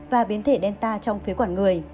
và biến thể delta trong phía quản người